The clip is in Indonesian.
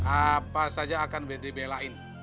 apa saja akan dibelain